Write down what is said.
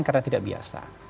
karena tidak biasa